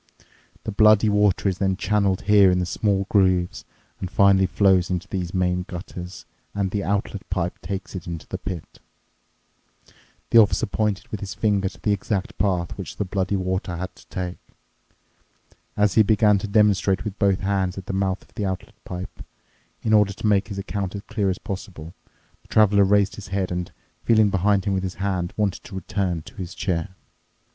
The bloody water is then channeled here in small grooves and finally flows into these main gutters, and the outlet pipe takes it to the pit." The officer pointed with his finger to the exact path which the bloody water had to take. As he began to demonstrate with both hands at the mouth of the outlet pipe, in order to make his account as clear as possible, the Traveler raised his head and, feeling behind him with his hand, wanted to return to his chair.